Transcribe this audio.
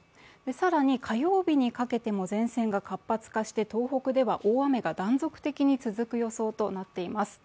更に火曜日にかけても前線が活発化して東北では、大雨が断続的に続く予想となっています。